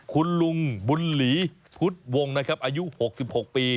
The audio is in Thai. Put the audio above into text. คุณลุงบุญหลีพุทธวงศ์นะครับอายุ๖๖ปี